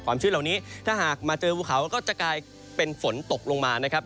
ชื้นเหล่านี้ถ้าหากมาเจอภูเขาก็จะกลายเป็นฝนตกลงมานะครับ